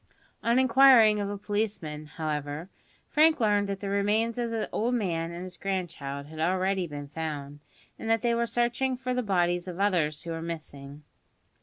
On inquiring of a policeman, however, Frank learned that the remains of the old man and his grandchild had already been found, and that they were searching for the bodies of others who were missing.